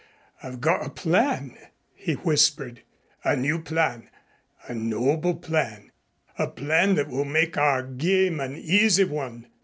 I've got a plan," he whispered, "a new plan, a noble plan, a plan that will make our game an easy one.